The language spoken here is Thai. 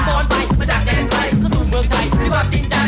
สะพื้นฝอนไปมาจากแดนใครก็สู้เมืองชายที่ความจริงใจ